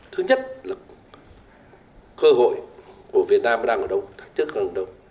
thứ nhất là cơ hội của việt nam đang ở đâu thay chứa đang ở đâu